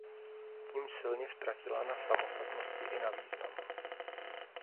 Tím silně ztratila na samostatnosti i na významu.